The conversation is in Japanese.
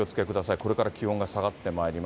これから気温が下がってまいります。